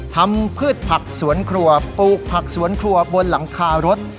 พืชผักสวนครัวปลูกผักสวนครัวบนหลังคารถ